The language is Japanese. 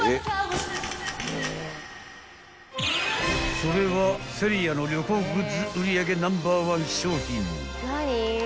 ［それはＳｅｒｉａの旅行グッズ売り上げナンバー１商品］